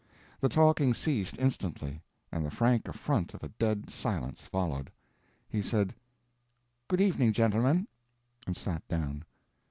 The talking ceased instantly, and the frank affront of a dead silence followed. He said, "Good evening gentlemen," and sat down.